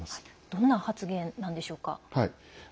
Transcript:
どんな発言なんでしょうか？